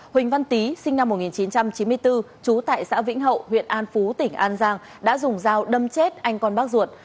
huỳnh văn tý sinh năm một nghìn chín trăm chín mươi bốn trú tại xã vĩnh hậu huyện an phú tỉnh an giang đã dùng dao đâm chết anh con bác ruột